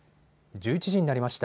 １１時になりました。